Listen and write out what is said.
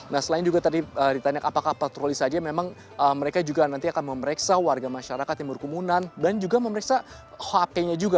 nah selain juga tadi ditanyakan apakah patroli saja memang mereka juga nanti akan memeriksa warga masyarakat timur kumunan dan juga memeriksa hp nya juga